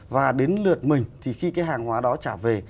và đến lượt mình thì khi cái hàng hóa đó trả về